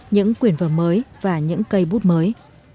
những quyển vở mới và những cây bút mới